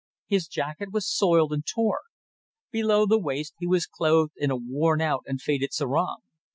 His jacket was soiled and torn; below the waist he was clothed in a worn out and faded sarong.